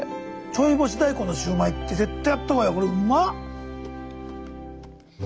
ちょい干し大根のシューマイって絶対やった方がいいよ。